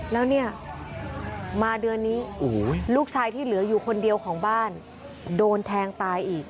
แล้วเนี่ยมาเดือนนี้ลูกชายที่เหลืออยู่คนเดียวของบ้านโดนแทงตายอีก